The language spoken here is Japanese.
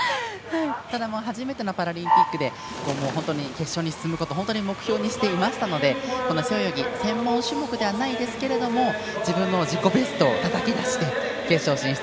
ただ、初めてのパラリンピックで決勝に進むことを本当に目標にしていましたので背泳ぎ、専門種目ではないですが自分の自己ベストをたたき出して決勝進出。